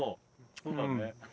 そうだね。